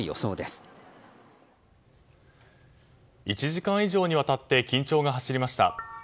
１時間以上にわたって緊張が走りました。